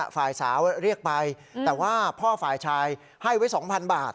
ฝ่ายสาวเรียกไปแต่ว่าพ่อฝ่ายชายให้ไว้๒๐๐บาท